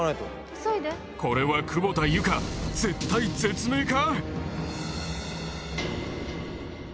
これは久保田祐佳絶体絶命か！？